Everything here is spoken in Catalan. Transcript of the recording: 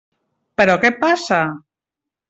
Però què passa?